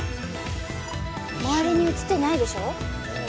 周りに映ってないでしょ？